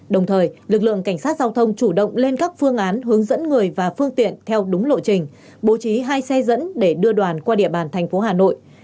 đồng thời lực lượng cảnh sát giao thông chủ động lên các phương án hướng dẫn người và phương tiện theo đúng lộ trình bố trí hai xe dẫn để đưa đoàn qua địa bàn thành phố hà nội